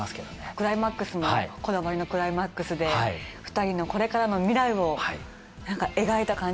クライマックスもこだわりのクライマックスで２人のこれからの未来を描いた感じがね。